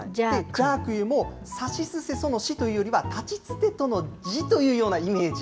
ジャークユも、さしすせそのジというよりは、たちつてとのヂというようなイメージ。